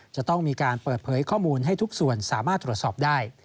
จะต้องมีการเปิดเผยข้อมูลให้ทุกส่วนสามารถตรวจสอบได้